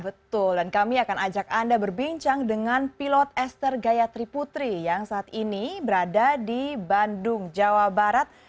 betul dan kami akan ajak anda berbincang dengan pilot esther gayatri putri yang saat ini berada di bandung jawa barat